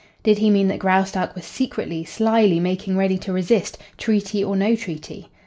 Did he mean that Graustark was secretly, slyly making ready to resist, treaty or no treaty?